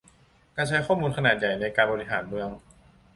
การใช้ข้อมูลขนาดใหญ่ในการบริหารเมือง